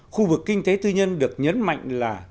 khu vực kinh tế tư nhân được nhấn mạnh là